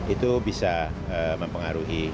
itu bisa mempengaruhi